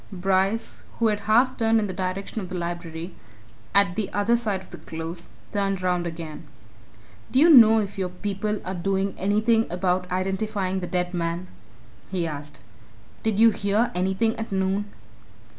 Bryce, who had half turned in the direction of the Library, at the other side of the Close, turned round again. "Do you know if your people are doing anything about identifying the dead man?" he asked. "Did you hear anything at noon?"